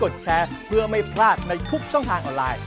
แชร์เพื่อไม่พลาดในทุกช่องทางออนไลน์